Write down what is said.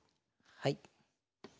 はい。